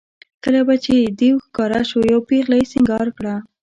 کله چې به دېو ښکاره شو یوه پېغله یې سینګار کړه.